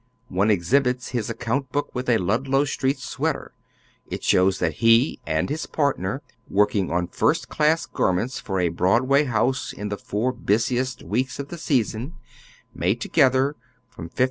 One exhibits his account book with a Lndlow Street sweater. It shows that he and his partner, working on first class gar ments for a Broadway house in the four busiest weeks of the season, made together from $15.